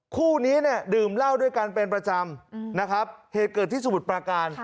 คู่นี้เนี่ยดื่มเหล้าด้วยกันเป็นประจำนะครับเหตุเกิดที่สมุทรปราการ